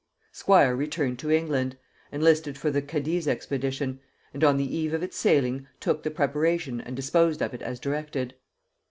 Squire returned to England, enlisted for the Cadiz expedition, and on the eve of its sailing took the preparation and disposed of it as directed.